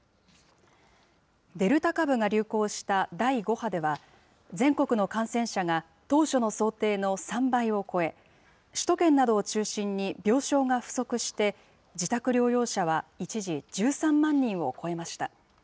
デルタ株が流行した第５波では、全国の感染者が当初の想定の３倍を超え、首都圏などを中心に病床が不足して、自宅療養者は一時１３万人を超えました。